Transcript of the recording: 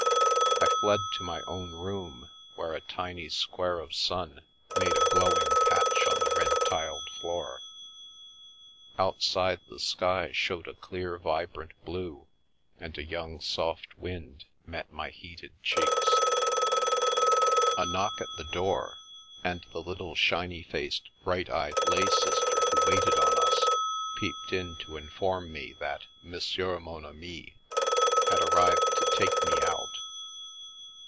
I fled to my own room, where a tiny square of sun made a glowing patch on the red tiled floor; outside the sky. showed a clear vibrant blue, and a young soft wind met my heated cheeks. A knock at the door, and the little shiny faced, bright eyed lay sister who waited on us, peeped in to inform me that " Monsieur mon ami " had arrived to take me out.